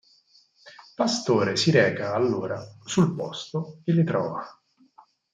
Pastore si reca, allora, sul posto e le trova.